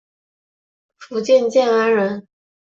福建建安人。